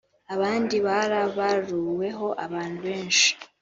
abandi barabaruweho abantu benshi